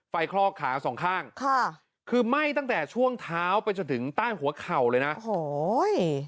คลอกขาสองข้างค่ะคือไหม้ตั้งแต่ช่วงเท้าไปจนถึงใต้หัวเข่าเลยนะโอ้โห